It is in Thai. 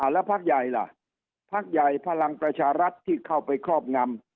แล้วพักใหญ่ล่ะพักใหญ่พลังประชารัฐที่เข้าไปครอบงำ